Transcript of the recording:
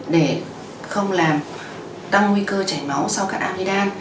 để không làm tăng nguy cơ chảy máu sau cắt amidam